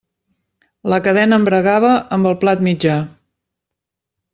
La cadena embragava amb el plat mitjà.